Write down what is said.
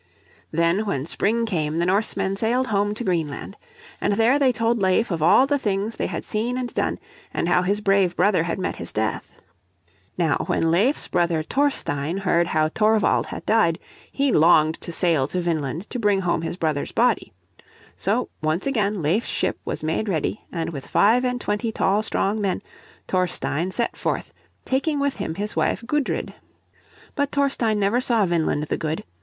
Then when spring came the Norsemen sailed home to Greenland. And there they told Leif of all the things they had seen and done, and how his brave brother had met his death. Now when Leif's brother Thorstein heard how Thorvald had died he longed to sail to Vineland to bring home his brother's body. So once again Leif's ship was made ready, and with five and twenty tall, strong men Thorstein set forth, taking with him his wife Gudrid. But Thorstein never saw Vineland the Good.